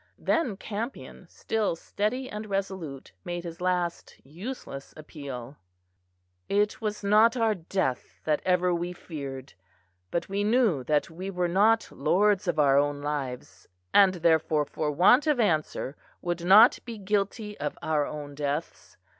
Then Campion, still steady and resolute, made his last useless appeal. "It was not our death that ever we feared. But we knew that we were not lords of our own lives, and therefore for want of answer would not be guilty of our own deaths.